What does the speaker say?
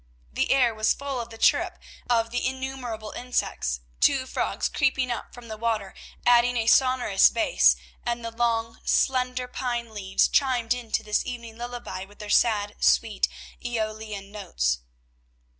The air was full of the chirrup of innumerable insects; two frogs, creeping up from the water, adding a sonorous bass, and the long, slender pine leaves chimed into this evening lullaby with their sad, sweet, Æolian notes.